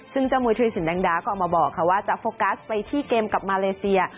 ซึ่งเจ้ามุยธุรสินแดงดาก็ออกมาบอกค่ะว่าจะโฟกัสไปที่เกมกับมาเลเซีย